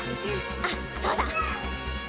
あっそうだ！